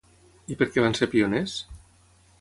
I per què van ser pioners?